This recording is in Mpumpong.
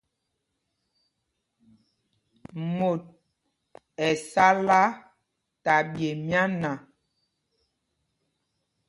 Mot ɛ sala ta ɓye myána.